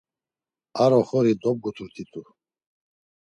Ar oxori dobguturt̆itu.